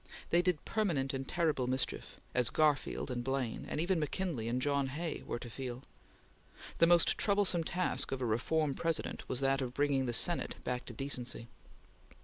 They did permanent and terrible mischief, as Garfield and Blaine, and even McKinley and John Hay, were to feel. The most troublesome task of a reform President was that of bringing the Senate back to decency.